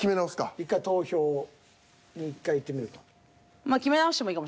１回投票に１回いってみるか。